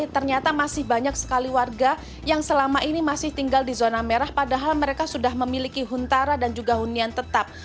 ternyata masih banyak sekali warga yang selama ini masih tinggal di zona merah padahal mereka sudah memiliki huntara dan juga hunian tetap